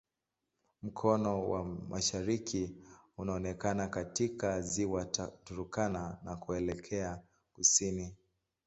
Mkono wa mashariki unaonekana katika Ziwa Turkana na kuelekea kusini.